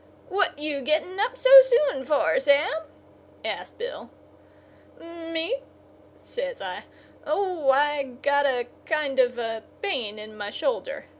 "What you getting up so soon for, Sam?" asked Bill. "Me?" says I. "Oh, I got a kind of a pain in my shoulder.